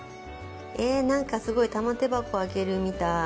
えなんかすごい玉手箱開けるみたい。